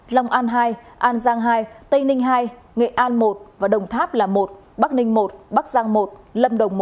long an hai an giang hai tây ninh hai nghệ an một và đồng tháp là một bắc ninh một bắc giang một lâm đồng một